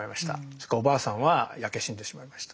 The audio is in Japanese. それからおばあさんは焼け死んでしまいました。